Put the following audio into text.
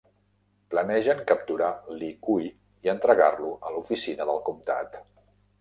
Planegen capturar Li Kui i entregar-lo a l'oficina del comtat.